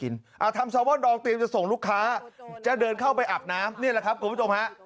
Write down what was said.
ลดตำรวจ